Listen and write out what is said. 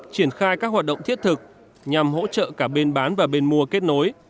triển khai các hoạt động thiết thực nhằm hỗ trợ cả bên bán và bên mua kết nối